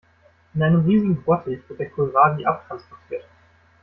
In einem riesigen Bottich wird der Kohlrabi abtransportiert.